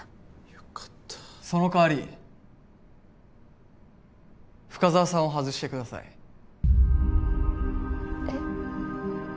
よかったその代わり深沢さんを外してくださいえっ？